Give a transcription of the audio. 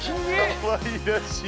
かわいらしい！